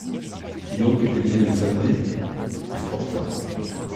Qui donc éteignit l'incendie ? Les forçats.